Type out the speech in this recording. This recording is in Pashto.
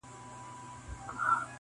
o دا غزل مي رندانه او صوفیانه دی,